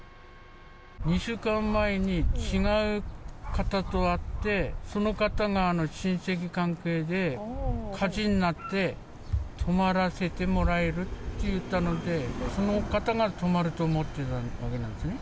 ２週間前に違う方と会って、その方が親戚関係で、火事になって、泊まらせてもらえるって言ったので、その方が泊まると思ってたわけなんですね。